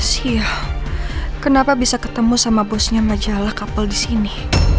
sia kenapa bisa ketemu sama bosnya majalah kapal di sini